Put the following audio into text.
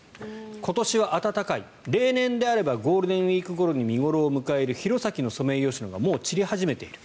今年は暖かい例年であればゴールデンウィークごろに見頃を迎える弘前のソメイヨシノがもう散り始めている。